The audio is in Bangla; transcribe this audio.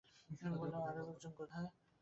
আমি বললাম, আর লোকজন কোথায়?